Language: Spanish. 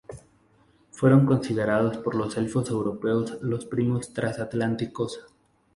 Fueron considerados por los Elfos Europeos los "primos transatlánticos".